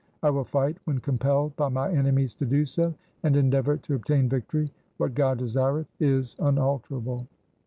I will fight when compelled by my enemies to do so and endeavour to obtain victory. What God desireth is unalterable.'